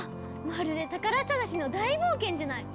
まるで宝探しの大冒険じゃない！